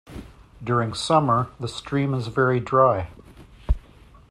During summer, the stream is very dry.